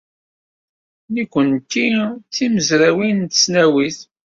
Nekkenti d timezrawin n tesnawit.